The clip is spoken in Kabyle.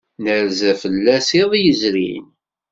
Nerza fell-as iḍ yezrin.